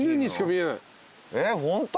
えっホント？